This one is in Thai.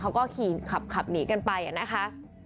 เขาก็ขี่ขับหนีกันไปนะคะ